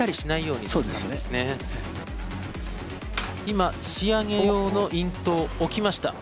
今仕上げ用の印刀を置きました。